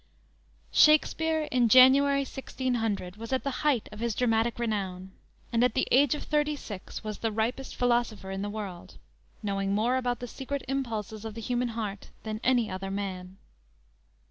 "_ Shakspere, in January, 1600, was at the height of his dramatic renown, and at the age of thirty six was the ripest philosopher in the world, knowing more about the secret impulses of the human heart than any other man.